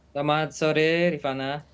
selamat sore rifana